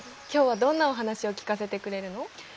今日はどんなお話を聞かせてくれるの？